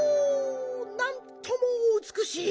なんともうつくしい！